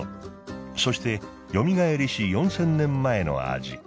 そしてよみがえりし４０００年前の味。